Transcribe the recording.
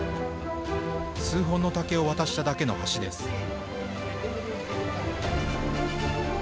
数本の竹を渡しただけの橋です。